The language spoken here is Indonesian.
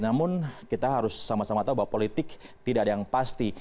namun kita harus sama sama tahu bahwa politik tidak ada yang pasti